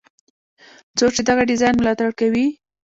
څوک چې دغه ډیزاین ملاتړ کوي.